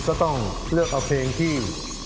ก็ต้องเลือกเอาเพลงที่